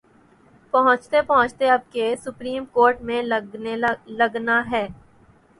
پہنچتے پہنچتے اب کیس سپریم کورٹ میں لگناہے۔